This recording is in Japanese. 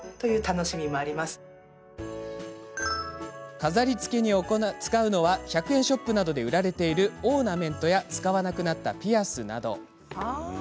飾りつけに使うのは１００円ショップなどで売られているオーナメントや使わなくなったピアスなど。